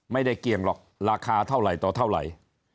เกี่ยงหรอกราคาเท่าไหร่ต่อเท่าไหร่